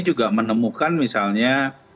juga menemukan misalnya